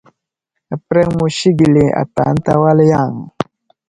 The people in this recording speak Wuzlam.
Aməpəreŋ musi gəli ata ənta wal yaŋ.